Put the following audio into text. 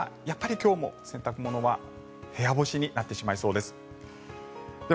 今日も洗濯物は部屋干しになってしまいそうです。